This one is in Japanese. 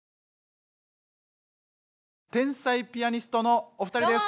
天才ピアニストのお二人です。